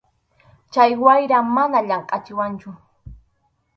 Chay wayram mana llamkʼachiwanchu.